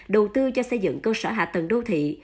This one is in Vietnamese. đầu tư cho xây dựng cơ sở hạ tầng đô thị